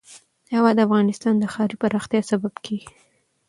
هوا د افغانستان د ښاري پراختیا سبب کېږي.